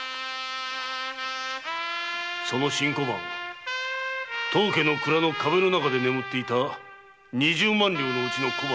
その新小判当家の蔵の壁の中で眠っていた二十万両のうちの小判。